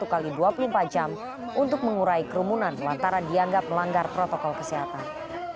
satu x dua puluh empat jam untuk mengurai kerumunan lantaran dianggap melanggar protokol kesehatan